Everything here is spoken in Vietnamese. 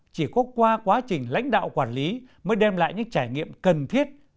chỉ có qua quá trình lãnh đạo quản lý mới đem lại những trải nghiệm cần thiết